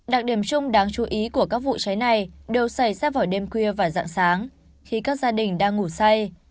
đặc điểm chung đáng chú ý của các vụ cháy này đều xảy ra vào đêm khuya và dạng sáng khi các gia đình đang ngủ say